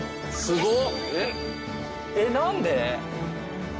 すごっ！